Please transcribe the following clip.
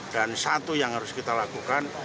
dan satu yang harus kita lakukan